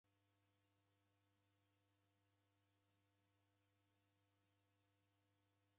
Kukalaghira mndu ilagho ni suti kujibonye.